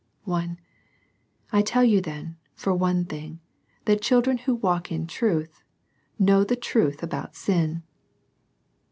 I. I tell you then, for one thing, that children who walk in truth, know the truth about sin.